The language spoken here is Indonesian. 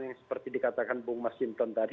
yang seperti dikatakan bung masjidon tadi